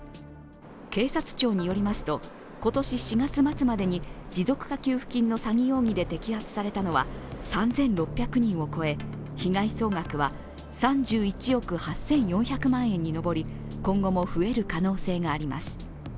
警察庁によりますと、今年４月末までに持続化給付金の詐欺容疑で摘発されたのは３６００人を超え被害総額は３１億８４００万円に上り今後も増える可能性があります。